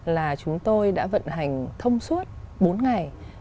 là chúng tôi đã vận hành thông suốt bốn ngày